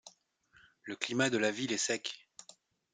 Le climat de la ville est sec.